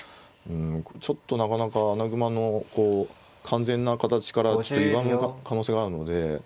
ちょっとなかなか穴熊のこう完全な形からゆがむ可能性があるので。